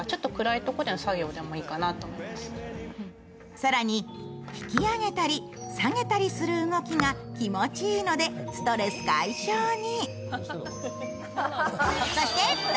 更に、引き上げたり下げたりする動きが気持ちいいのでストレス解消に。